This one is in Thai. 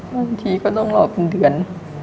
บางทีก็ต้องรอเป็นเดือน